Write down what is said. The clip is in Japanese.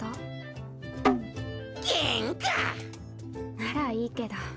ならいいけど。